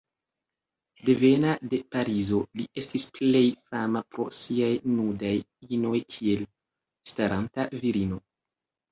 Devena de Parizo, li estis plej fama pro siaj nudaj inoj kiel "Staranta Virino".